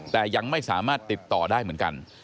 แต่ยังไม่สามารถติดต่อได้เหมือนกัน